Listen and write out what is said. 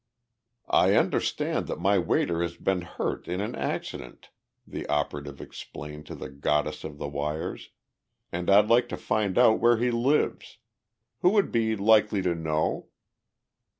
"I understand that my waiter has been hurt in an accident," the operative explained to the goddess of the wires, "and I'd like to find out where he lives. Who would be likely to know?"